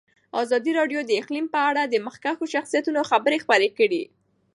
ازادي راډیو د اقلیم په اړه د مخکښو شخصیتونو خبرې خپرې کړي.